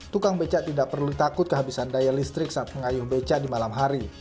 tukang becak tidak perlu takut kehabisan daya listrik saat mengayuh beca di malam hari